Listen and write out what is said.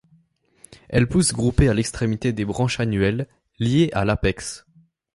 Elles poussent groupées à l'extrémité des branches annuelles, liées à l'apex.